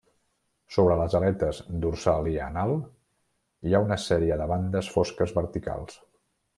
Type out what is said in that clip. Sobre les aletes dorsal i anal hi ha una sèrie de bandes fosques verticals.